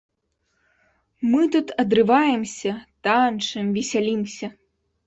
Мы тут адрываемся, танчым, весялімся.